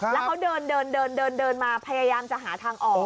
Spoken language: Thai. แล้วเขาเดินเดินมาพยายามจะหาทางออก